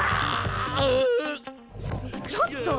ちょっと！